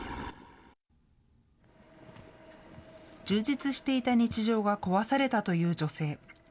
充実していた日常が壊されたという女性。